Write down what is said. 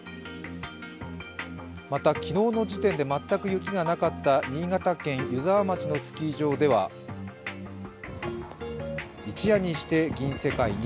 また、昨日き時点で全く雪がなかった新潟県湯沢町のスキー場では一夜にして銀世界に。